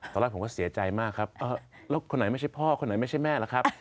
ตอนแรกผมก็เสียใจมากครับแล้วคนไหนไม่ใช่พ่อคนไหนไม่ใช่แม่ล่ะครับ